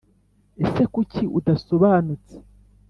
ese kuki udasobanutse,